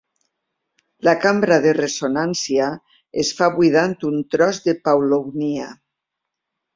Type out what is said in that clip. La cambra de ressonància es fa buidant un tros de paulownia.